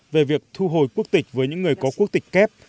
về việc thu hồi quốc tịch với những người có quốc tịch kép